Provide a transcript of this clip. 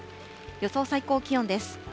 予想最高気温です。